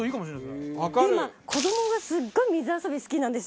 今子どもがすごい水遊び好きなんですよ。